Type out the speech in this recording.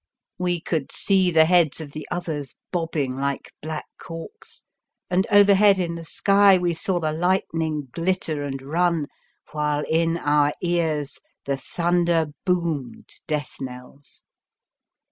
We could see the heads of the others bobbing like black corks, and overhead in the sky we saw the lightning glitter and run, while in our ears the thunder boomed death knells.